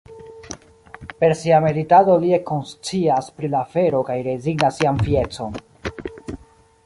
Per sia meditado li ekkonscias pri la vero kaj rezignas sian fiecon.